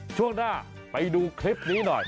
ช่วงหน้าไปดูคลิปนี้หน่อย